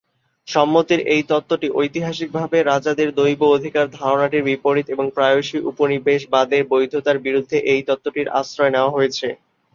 সম্মতির এই তত্ত্বটি ঐতিহাসিকভাবে রাজাদের দৈব অধিকার ধারণাটির বিপরীত এবং প্রায়শই উপনিবেশবাদের বৈধতার বিরুদ্ধে এই তত্ত্বটির আশ্রয় নেওয়া হয়েছে।